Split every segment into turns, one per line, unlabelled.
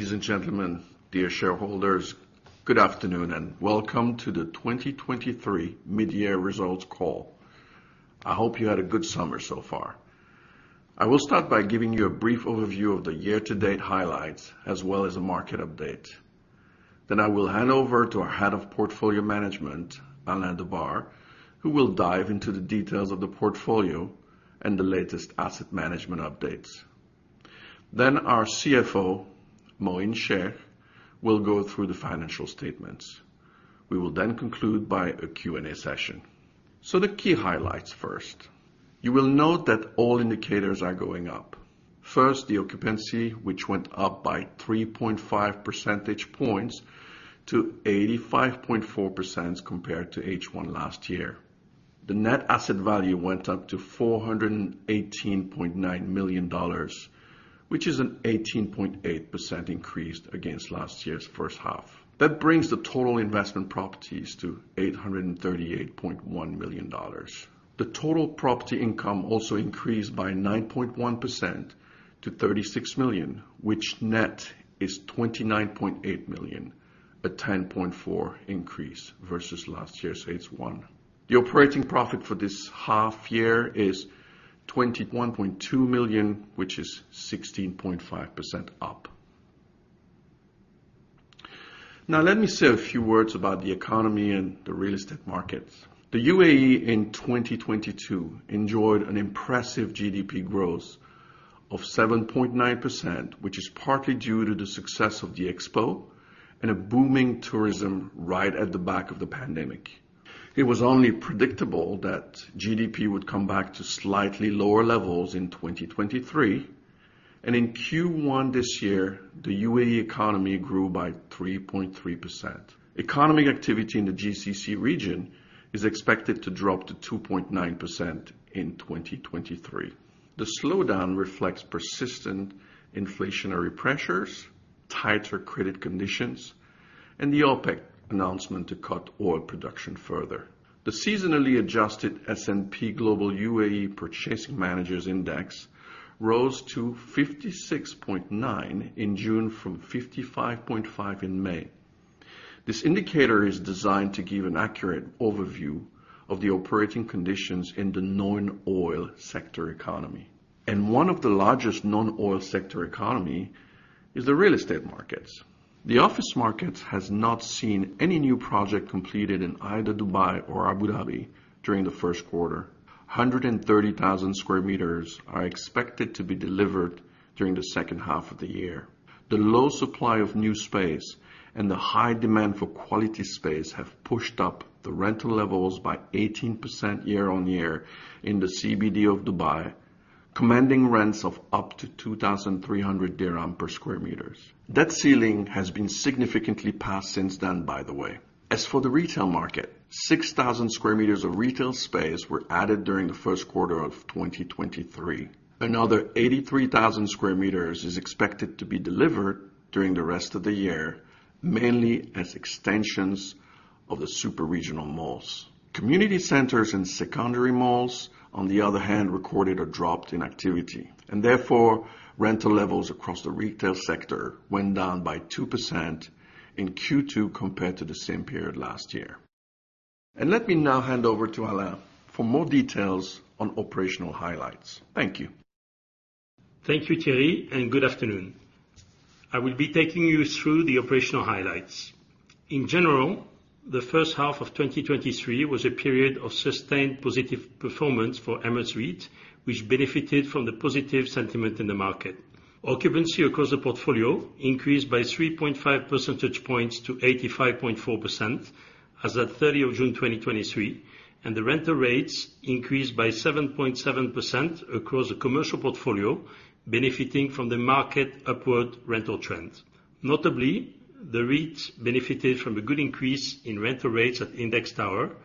Ladies and gentlemen, dear shareholders, good afternoon, Welcome to the 2023 mid-year results call. I hope you had a good summer so far. I will start by giving you a brief overview of the year-to-date highlights, as well as a market update. I will hand over to our Head of Portfolio Management, Alain Debare, who will dive into the details of the portfolio and the latest asset management updates. Our CFO, Moeen Sheikh, will go through the financial statements. We will conclude by a Q&A session. The key highlights first. You will note that all indicators are going up. First, the occupancy, which went up by 3.5 percentage points to 85.4% compared to H1 last year. The net asset value went up to $418.9 million, which is an 18.8% increase against last year's first half. That brings the total investment properties to $838.1 million. The total property income also increased by 9.1% to $36 million, which net is $29.8 million, a 10.4% increase versus last year's H1. The operating profit for this half year is $21.2 million, which is 16.5% up. Let me say a few words about the economy and the real estate market. The UAE, in 2022, enjoyed an impressive GDP growth of 7.9%, which is partly due to the success of the Expo and a booming tourism right at the back of the pandemic. It was only predictable that GDP would come back to slightly lower levels in 2023, and in Q1 this year, the UAE economy grew by 3.3%. Economic activity in the GCC region is expected to drop to 2.9% in 2023. The slowdown reflects persistent inflationary pressures, tighter credit conditions, and the OPEC announcement to cut oil production further. The seasonally adjusted S&P Global UAE Purchasing Managers' Index rose to 56.9 in June from 55.5 in May. This indicator is designed to give an accurate overview of the operating conditions in the non-oil sector economy, and one of the largest non-oil sector economy is the real estate markets. The office market has not seen any new project completed in either Dubai or Abu Dhabi during the Q1. 130,000 sq m are expected to be delivered during the second half of the year. The low supply of new space and the high demand for quality space have pushed up the rental levels by 18% year-on-year in the CBD of Dubai, commanding rents of up to 2,300 dirham per sq m. That ceiling has been significantly passed since then, by the way. As for the retail market, 6,000 sq m of retail space were added during the Q1 of 2023. Another 83,000 sq m is expected to be delivered during the rest of the year, mainly as extensions of the super regional malls. Community centers and secondary malls, on the other hand, recorded a drop in activity, therefore rental levels across the retail sector went down by 2% in Q2 compared to the same period last year. Let me now hand over to Alain for more details on operational highlights. Thank you.
Thank you, Thierry. Good afternoon. I will be taking you through the operational highlights. In general, the first half of 2023 was a period of sustained positive performance for Emirates REIT, which benefited from the positive sentiment in the market. Occupancy across the portfolio increased by 3.5 percentage points to 85.4% as at 30 of June, 2023. The rental rates increased by 7.7% across the commercial portfolio, benefiting from the market upward rental trend. Notably, the REITs benefited from a good increase in rental rates at Index Tower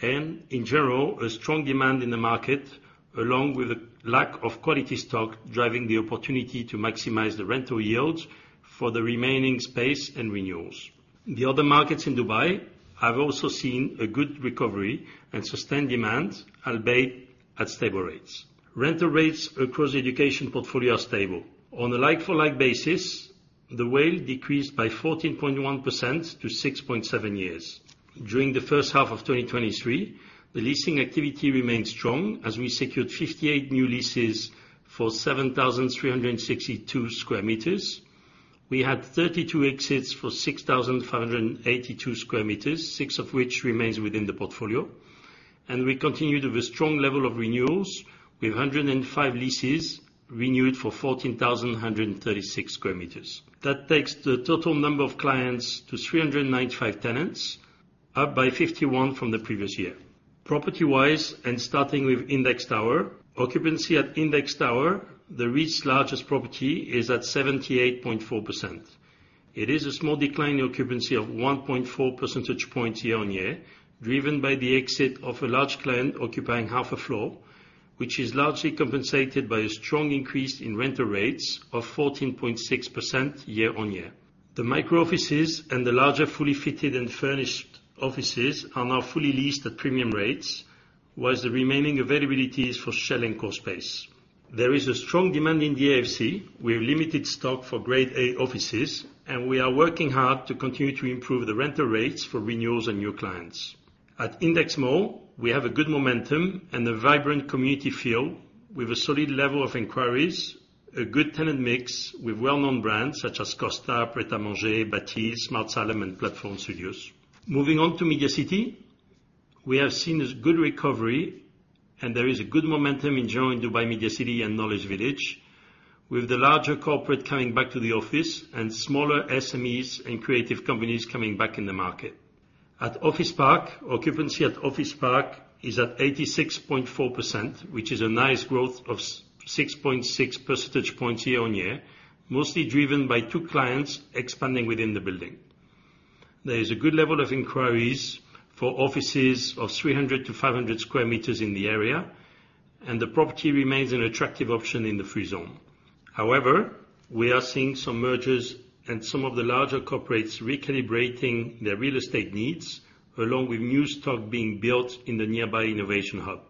and, in general, a strong demand in the market, along with a lack of quality stock, driving the opportunity to maximize the rental yields for the remaining space and renewals. The other markets in Dubai have also seen a good recovery and sustained demand, albeit at stable rates. Rental rates across the education portfolio are stable. On a like-for-like basis, the WALE decreased by 14.1% to 6.7 years. During the first half of 2023, the leasing activity remained strong as we secured 58 new leases for 7,362 sq m. We had 32 exits for 6,582 sq m, six of which remains within the portfolio, and we continued with a strong level of renewals, with 105 leases renewed for 14,136 sq m. That takes the total number of clients to 395 tenants, up by 51 from the previous year. Property-wise, and starting with Index Tower, occupancy at Index Tower, the REIT's largest property, is at 78.4%. It is a small decline in occupancy of 1.4 percentage points year-on-year, driven by the exit of a large client occupying half a floor, which is largely compensated by a strong increase in rental rates of 14.6% year-on-year. The micro offices and the larger, fully fitted and furnished offices are now fully leased at premium rates, whilst the remaining availability is for shell and core space. There is a strong demand in DIFC, with limited stock for Grade A offices. We are working hard to continue to improve the rental rates for renewals and new clients. At Index Mall, we have a good momentum and a vibrant community feel, with a solid level of inquiries, a good tenant mix with well-known brands such as Costa, Pret A Manger, Bateel, Smart Salem, and Platform Studios. Moving on to Media City, we have seen a good recovery. There is a good momentum in general in Dubai Media City and Knowledge Village, with the larger corporate coming back to the office and smaller SMEs and creative companies coming back in the market. At Office Park, occupancy at Office Park is at 86.4%, which is a nice growth of 6.6 percentage points year-on-year, mostly driven by two clients expanding within the building. There is a good level of inquiries for offices of 300 to 500 square meters in the area. The property remains an attractive option in the free zone. However, we are seeing some mergers and some of the larger corporates recalibrating their real estate needs, along with new stock being built in the nearby Innovation Hub.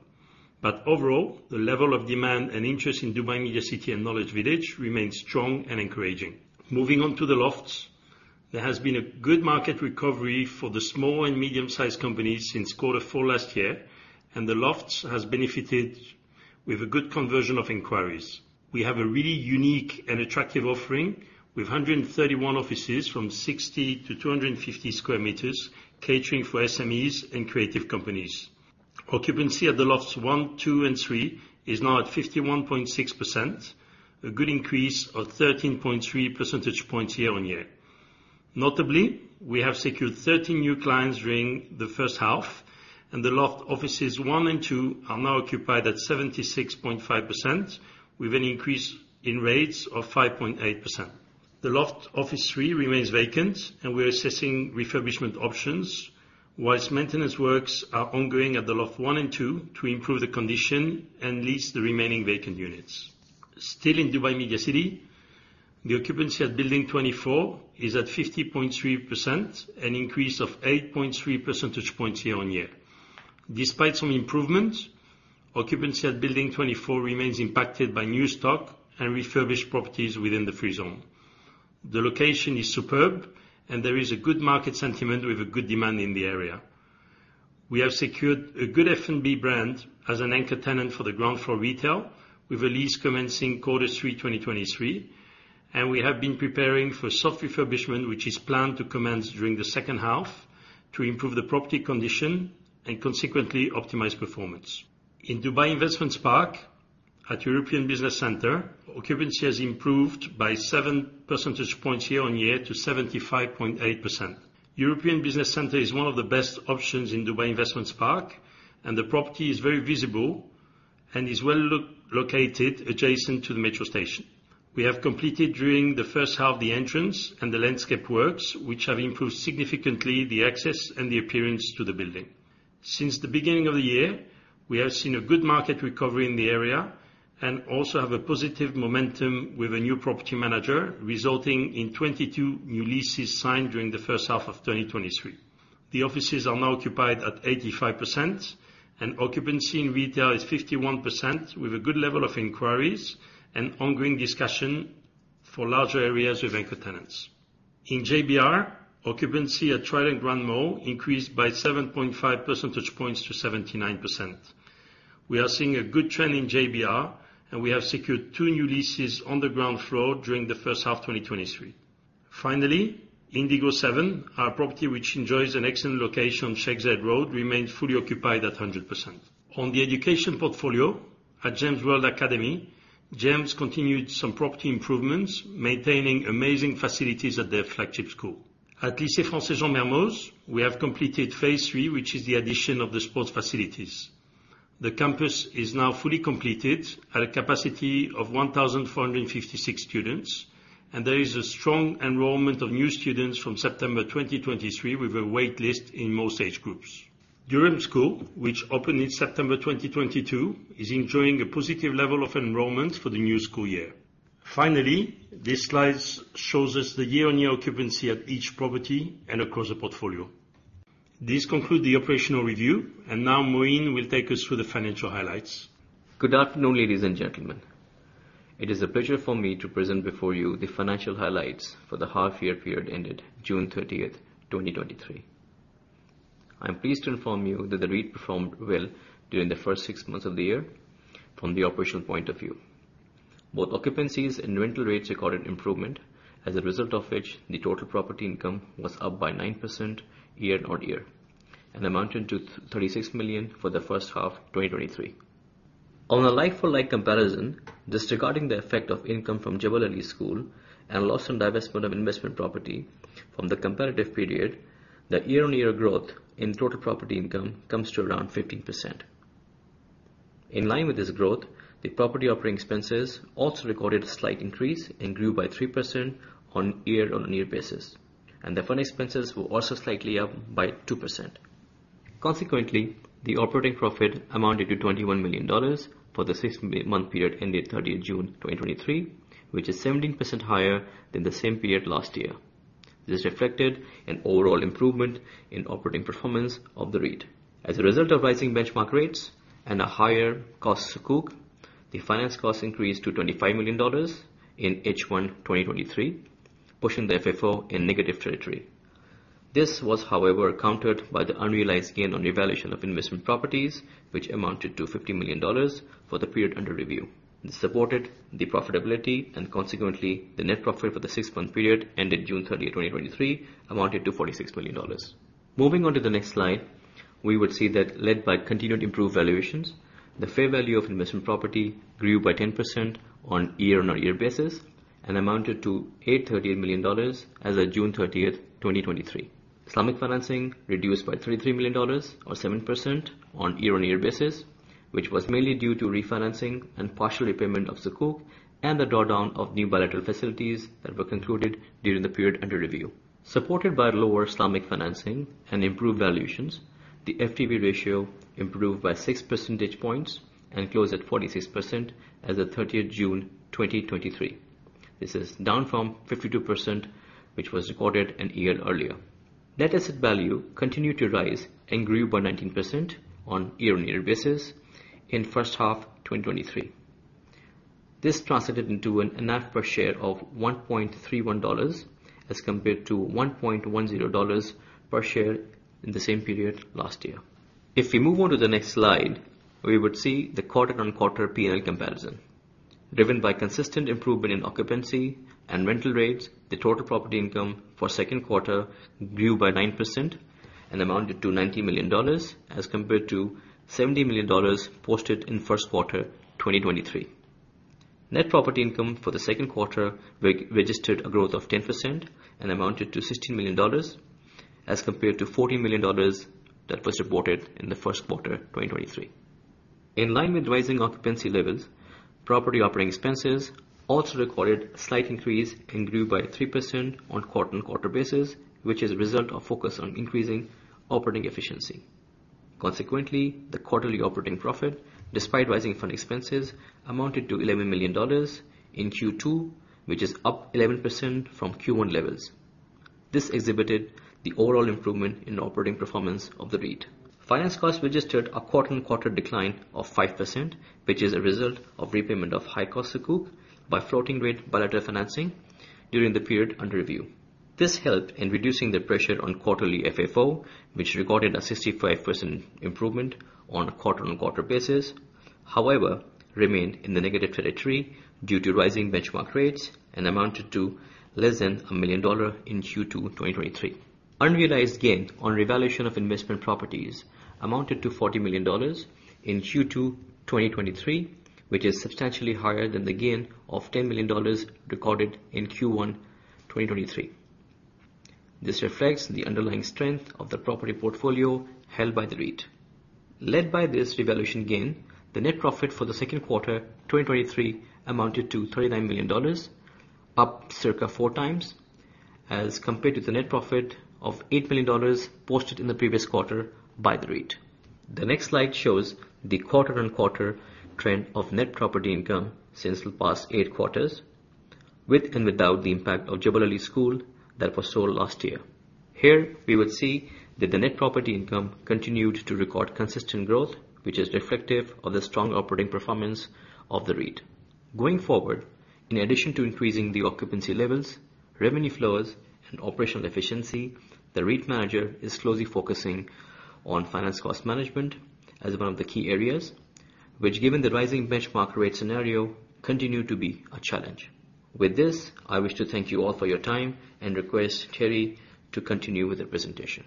Overall, the level of demand and interest in Dubai Media City and Knowledge Village remains strong and encouraging. Moving on to The Lofts, there has been a good market recovery for the small and medium-sized companies since Q4 last year, and The Lofts has benefited with a good conversion of inquiries. We have a really unique and attractive offering, with 131 offices from 60 to 250 square meters, catering for SMEs and creative companies. Occupancy at The Lofts 1, 2, and 3 is now at 51.6%, a good increase of 13.3 percentage points year-on-year. Notably, we have secured 13 new clients during the first half, and The Loft Offices 1 and 2 are now occupied at 76.5%, with an increase in rates of 5.8%. The Loft Office 3 remains vacant. We are assessing refurbishment options, whilst maintenance works are ongoing at The Loft One and Two to improve the condition and lease the remaining vacant units. Still in Dubai Media City, the occupancy at Building 24 is at 50.3%, an increase of 8.3 percentage points year-on-year. Despite some improvements, occupancy at Building 24 remains impacted by new stock and refurbished properties within the free zone. The location is superb. There is a good market sentiment with a good demand in the area. We have secured a good F&B brand as an anchor tenant for the ground floor retail, with a lease commencing Q3 2023. We have been preparing for soft refurbishment, which is planned to commence during the second half to improve the property condition and consequently optimize performance. In Dubai Investments Park, at European Business Centre, occupancy has improved by 7 percentage points year-on-year to 75.8%. European Business Centre is one of the best options in Dubai Investments Park, and the property is very visible and is well located adjacent to the metro station. We have completed during the first half the entrance and the landscape works, which have improved significantly the access and the appearance to the building. Since the beginning of the year, we have seen a good market recovery in the area and also have a positive momentum with a new property manager, resulting in 22 new leases signed during the first half of 2023. The offices are now occupied at 85%, and occupancy in retail is 51%, with a good level of inquiries and ongoing discussion for larger areas with anchor tenants. In JBR, occupancy at Trident Grand Mall increased by 7.5 percentage points to 79%. We are seeing a good trend in JBR. We have secured two new leases on the ground floor during the first half 2023. Finally, Indigo 7, our property which enjoys an excellent location on Sheikh Zayed Road, remains fully occupied at 100%. On the education portfolio, at GEMS World Academy, GEMS continued some property improvements, maintaining amazing facilities at their flagship school. At Lycée Français Jean Mermoz, we have completed phase III, which is the addition of the sports facilities. The campus is now fully completed at a capacity of 1,456 students. There is a strong enrollment of new students from September 2023, with a wait list in most age groups. Durham School, which opened in September 2022, is enjoying a positive level of enrollment for the new school year. This slide shows us the year-on-year occupancy at each property and across the portfolio. This concludes the operational review, and now Moeen will take us through the financial highlights.
Good afternoon, ladies and gentlemen. It is a pleasure for me to present before you the financial highlights for the half year period ended June 30th, 2023. I am pleased to inform you that the REIT performed well during the first six months of the year from the operational point of view. Both occupancies and rental rates recorded improvement, as a result of which the total property income was up by 9% year-on-year, and amounted to $36 million for the first half, 2023. On a like for like comparison, disregarding the effect of income from Jebel Ali School and loss from divestment of investment property from the comparative period, the year-on-year growth in total property income comes to around 15%. In line with this growth, the property operating expenses also recorded a slight increase and grew by 3% on a year-on-year basis. The fund expenses were also slightly up by 2%. Consequently, the operating profit amounted to $21 million for the six-month period ended 30th June, 2023, which is 17% higher than the same period last year. This reflected an overall improvement in operating performance of the REIT. As a result of rising benchmark rates and a higher cost of Sukuk, the finance costs increased to $25 million in H1, 2023, pushing the FFO in negative territory. This was, however, countered by the unrealized gain on revaluation of investment properties, which amounted to $50 million for the period under review. This supported the profitability and consequently, the net profit for the six-month period ended June 30th, 2023, amounted to $46 million. Moving on to the next slide, we would see that led by continued improved valuations, the fair value of investment property grew by 10% on year-on-year basis and amounted to $838 million as at June 30th, 2023. Islamic financing reduced by $33 million, or 7% on year-on-year basis, which was mainly due to refinancing and partial repayment of Sukuk, and the drawdown of new bilateral facilities that were concluded during the period under review. Supported by lower Islamic financing and improved valuations, the FTV ratio improved by 6 percentage points and closed at 46% as of 30th June, 2023. This is down from 52%, which was recorded an year earlier. Net asset value continued to rise and grew by 19% on year-on-year basis in first half 2023. This translated into an NAV per share of $1.31, as compared to $1.10 per share in the same period last year. If we move on to the next slide, we would see the quarter-on-quarter PNL comparison. Driven by consistent improvement in occupancy and rental rates, the total property income for Q2 grew by 9% and amounted to $90 million, as compared to $70 million posted in Q1 2023. Net property income for the Q2 re-registered a growth of 10% and amounted to $16 million, as compared to $14 million that was reported in the Q1 2023. In line with rising occupancy levels, property operating expenses also recorded a slight increase and grew by 3% on quarter-on-quarter basis, which is a result of focus on increasing operating efficiency. Consequently, the quarterly operating profit, despite rising fund expenses, amounted to $11 million in Q2, which is up 11% from Q1 levels. This exhibited the overall improvement in operating performance of the REIT. Finance costs registered a quarter-on-quarter decline of 5%, which is a result of repayment of high-cost Sukuk by floating rate bilateral financing during the period under review. This helped in reducing the pressure on quarterly FFO, which recorded a 65% improvement on a quarter-on-quarter basis. Remained in the negative territory due to rising benchmark rates and amounted to less than $1 million in Q2, 2023. Unrealized gain on revaluation of investment properties amounted to $40 million in Q2 2023, which is substantially higher than the gain of $10 million recorded in Q1 2023. This reflects the underlying strength of the property portfolio held by the REIT. Led by this revaluation gain, the net profit for the Q2 2023 amounted to $39 million, up circa four times, as compared to the net profit of $8 million posted in the previous quarter by the REIT. The next slide shows the quarter-on-quarter trend of net property income since the past eight quarters, with and without the impact of Jebel Ali School that was sold last year. Here, we would see that the net property income continued to record consistent growth, which is reflective of the strong operating performance of the REIT. Going forward, in addition to increasing the occupancy levels, revenue flows, and operational efficiency, the REIT manager is closely focusing on finance cost management as one of the key areas, which, given the rising benchmark rate scenario, continue to be a challenge. With this, I wish to thank you all for your time and request Thierry to continue with the presentation.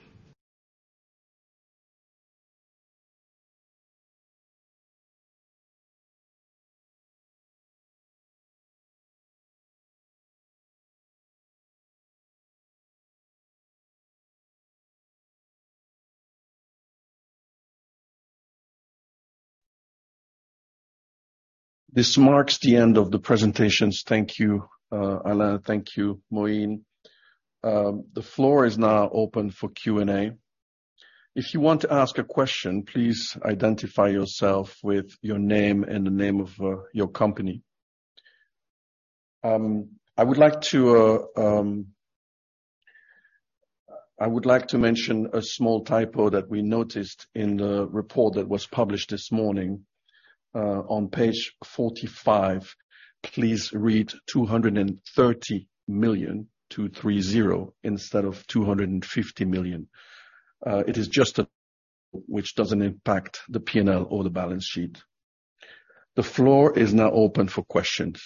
This marks the end of the presentations. Thank you, Alain. Thank you, Moeen. The floor is now open for Q&A. If you want to ask a question, please identify yourself with your name and the name of your company. I would like to mention a small typo that we noticed in the report that was published this morning. On page 45, please read $230 million, 2 3 0, instead of $250 million. It is just a. Which doesn't impact the PNL or the balance sheet. The floor is now open for questions.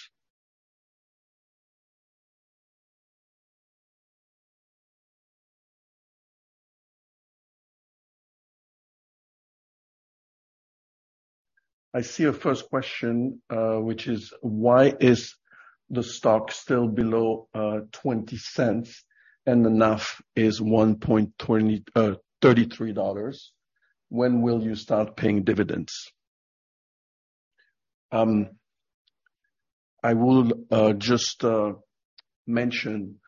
I see a first question, which is: Why is the stock still below $0.20 and the NAV is $1.20, $1.33? When will you start paying dividends? I will just mention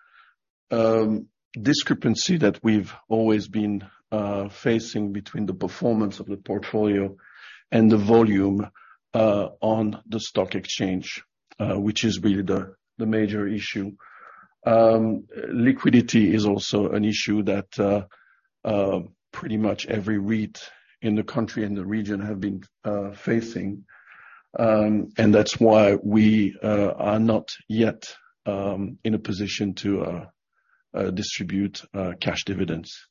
discrepancy that we've always been facing between the performance of the portfolio and the volume on the stock exchange, which is really the major issue. Liquidity is also an issue that pretty much every REIT in the country and the region have been facing. That's why we are not yet in a position to distribute cash dividends.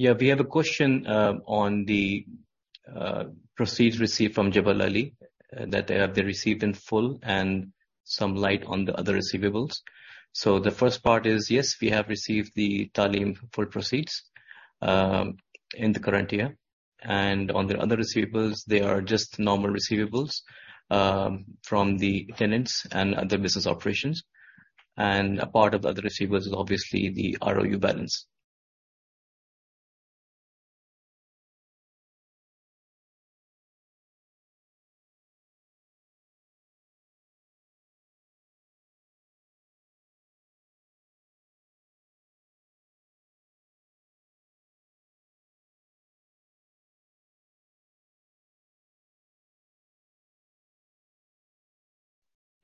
Yeah, we have a question on the proceeds received from Jebel Ali School, that have they received in full and some light on the other receivables. The first part is, yes, we have received the Taaleem full proceeds in the current year. On the other receivables, they are just normal receivables from the tenants and other business operations, and a part of other receivables is obviously the ROU balance.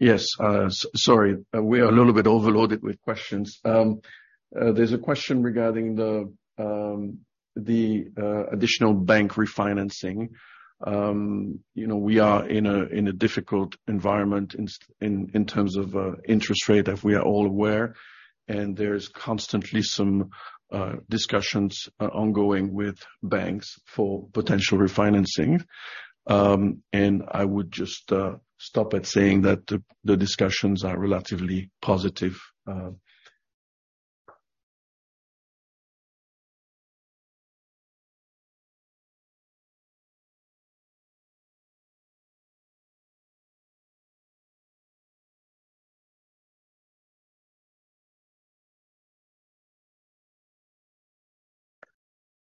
Yes, we are a little bit overloaded with questions. There's a question regarding the additional bank refinancing. You know, we are in a difficult environment in terms of interest rate, as we are all aware, and there's constantly some discussions ongoing with banks for potential refinancing. I would just stop at saying that the discussions are relatively positive.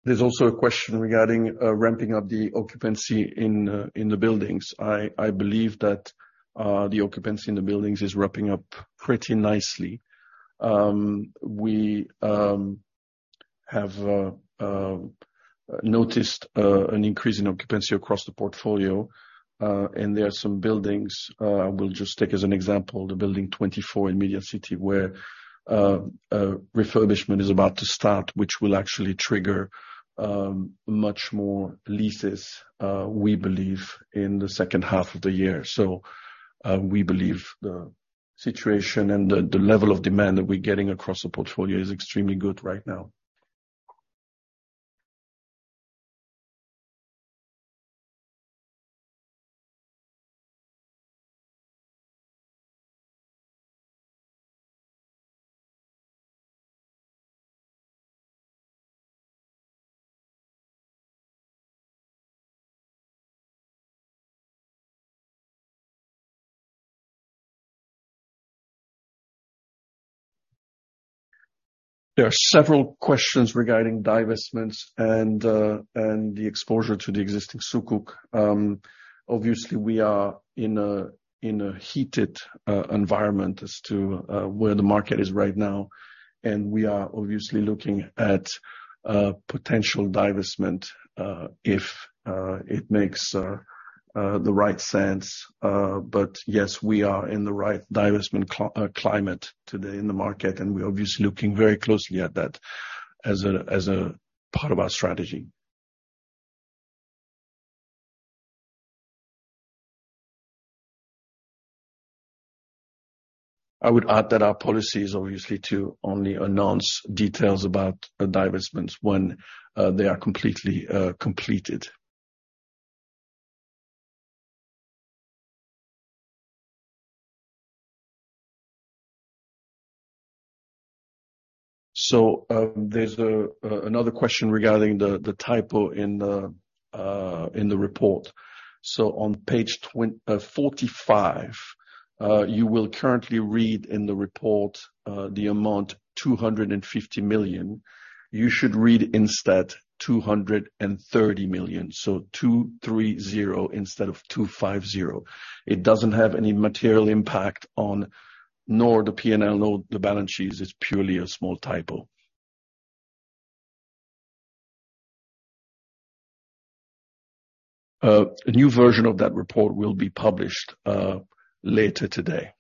There's also a question regarding ramping up the occupancy in the buildings. I believe that the occupancy in the buildings is ramping up pretty nicely. We have noticed an increase in occupancy across the portfolio, and there are some buildings, we'll just take as an example, the Building 24 in Media City, where a refurbishment is about to start, which will actually trigger much more leases, we believe, in the second half of the year. We believe the situation and the level of demand that we're getting across the portfolio is extremely good right now. There are several questions regarding divestments and the exposure to the existing Sukuk. Obviously, we are in a heated environment as to where the market is right now, and we are obviously looking at potential divestment if it makes the right sense. Yes, we are in the right divestment climate today in the market, and we're obviously looking very closely at that as a part of our strategy. I would add that our policy is obviously to only announce details about the divestments when they are completely completed. There's another question regarding the typo in the report. On page 45, you will currently read in the report, the amount $250 million. You should read instead, $230 million, so 230 instead of 250. It doesn't have any material impact on nor the P&L, nor the balance sheets, it's purely a small typo. A new version of that report will be published later today.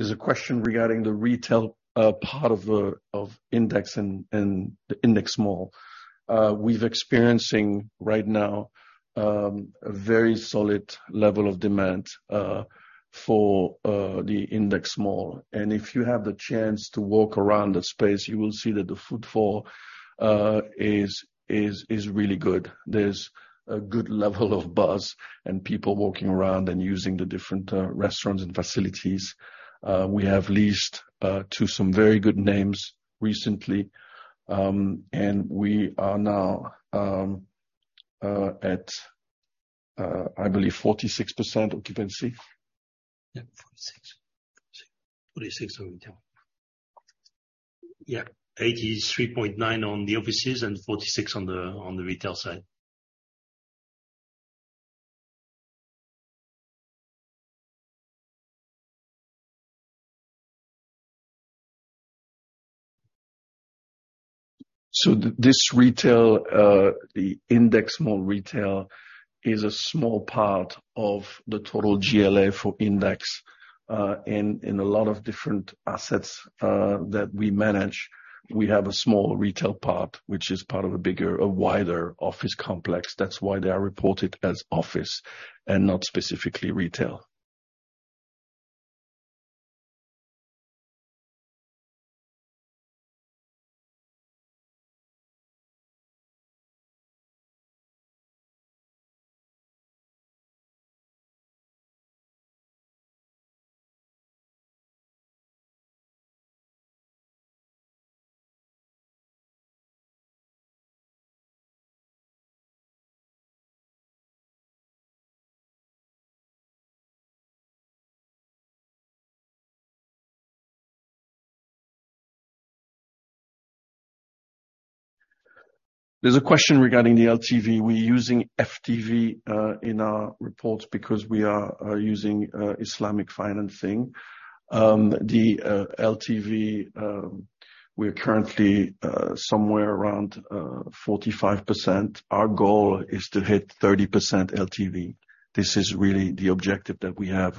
There's a question regarding the retail part of the Index and the Index Mall. We've experiencing right now a very solid level of demand for the Index Mall. If you have the chance to walk around the space, you will see that the footfall is really good. There's a good level of buzz and people walking around and using the different restaurants and facilities. We have leased to some very good names recently, and we are now at, I believe 46% occupancy.
Yeah, 46. 46 on retail. Yeah, 83.9 on the offices and 46 on the retail side.
This retail, the Index Mall retail, is a small part of the total GLA for Index. In a lot of different assets that we manage, we have a small retail part, which is part of a bigger, a wider office complex. That's why they are reported as office and not specifically retail. There's a question regarding the LTV. We're using FTV in our reports because we are using Islamic financing. The LTV, we're currently somewhere around 45%. Our goal is to hit 30% LTV. This is really the objective that we have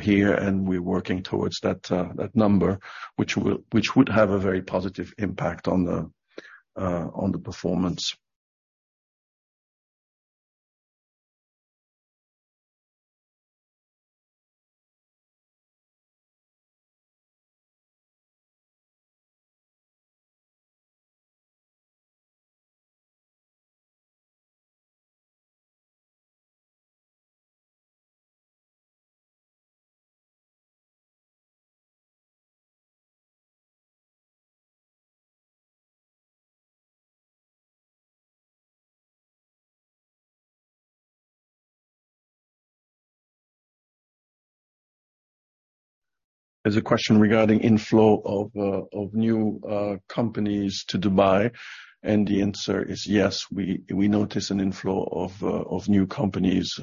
here, we're working towards that number, which would have a very positive impact on the performance. There's a question regarding inflow of new companies to Dubai. The answer is yes, we, we notice an inflow of new companies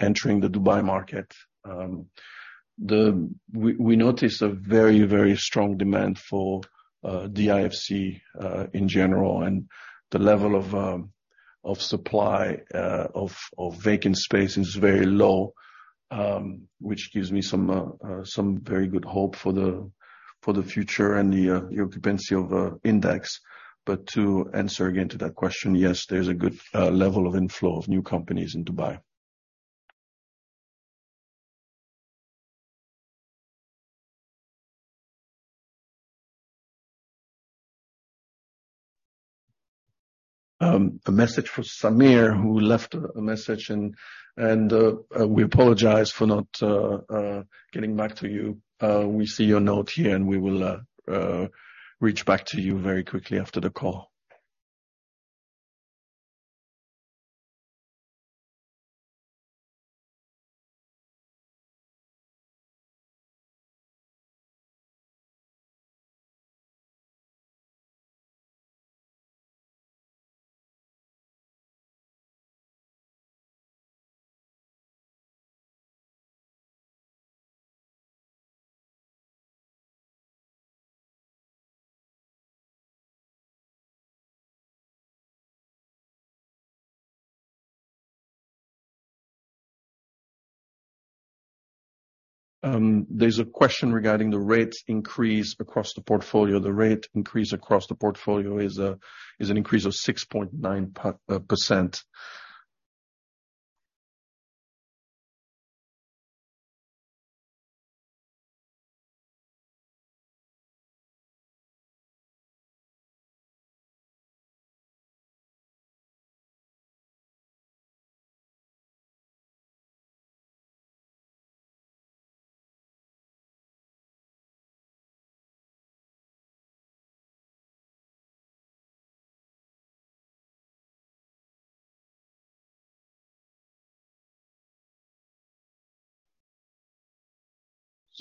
entering the Dubai market. We, we notice a very, very strong demand for DIFC in general, and the level of supply of vacant space is very low, which gives me some very good hope for the future and the occupancy of Index. To answer again to that question, yes, there's a good level of inflow of new companies in Dubai. A message for Samir, who left a message and, and we apologize for not getting back to you. We see your note here, and we will reach back to you very quickly after the call. ... There's a question regarding the rate increase across the portfolio. The rate increase across the portfolio is an increase of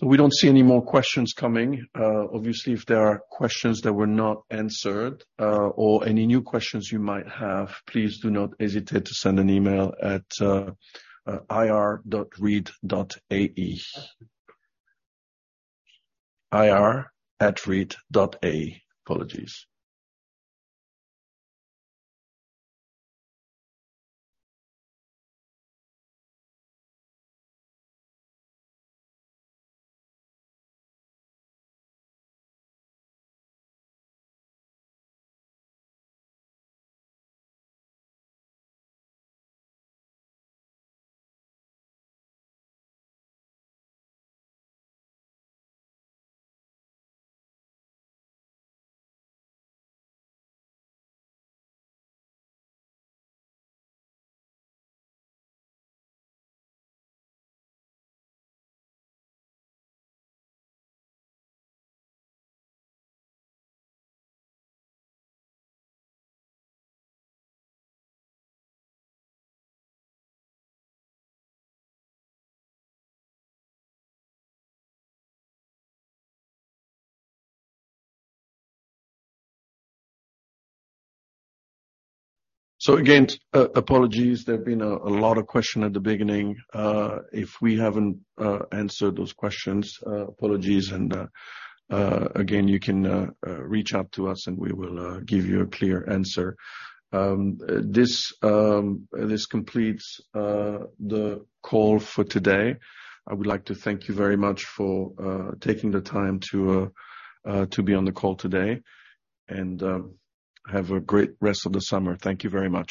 6.9%. We don't see any more questions coming. Obviously, if there are questions that were not answered, or any new questions you might have, please do not hesitate to send an email at ir@reit.ae. ir@reit.ae. Apologies. Again, apologies, there have been a lot of question at the beginning. If we haven't answered those questions, apologies, and again, you can reach out to us, and we will give you a clear answer. This completes the call for today. I would like to thank you very much for taking the time to to be on the call today, and have a great rest of the summer. Thank you very much.